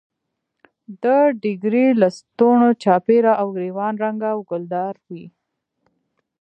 د ډیګرې لستوڼو چاپېره او ګرېوان رنګه او ګلدار وي.